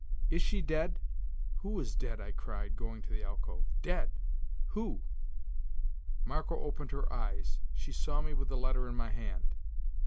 "Is she dead? Who is dead?" I cried, going to the alcove. "Dead! Who?" Marco opened her eyes. She saw me with the letter in my hand.